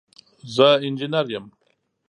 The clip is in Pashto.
زه انجنیر یم